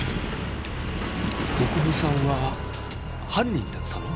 国府さんは犯人だったの？